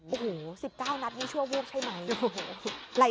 โอ้โห๑๙นัดนี่ชั่ววูบใช่ไหม